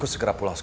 seperti apa sih